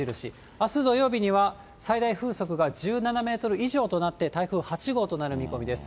あす土曜日には、最大風速が１７メートル以上となって、台風８号となる見込みです。